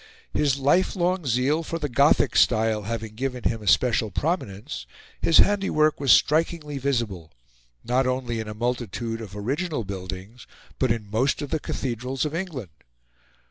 His lifelong zeal for the Gothic style having given him a special prominence, his handiwork was strikingly visible, not only in a multitude of original buildings, but in most of the cathedrals of England.